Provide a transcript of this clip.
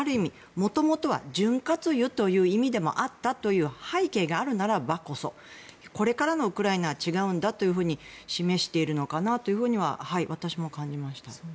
元々は潤滑油という意味もあったという背景があるならばこそこれからのウクライナは違うんだというふうに示しているのかなというふうには私も感じました。